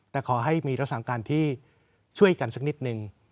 แต่ขอให้มีรักษาการที่ช่วยกันสักนิดนึง